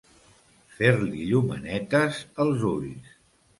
Fer-li llumenetes els ulls.